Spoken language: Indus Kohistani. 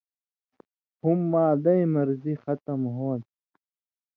ہُم معدَیں مرضی ختم ہوں تھی۔